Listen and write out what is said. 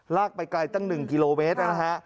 ไปไกลตั้ง๑กิโลเมตรนะฮะ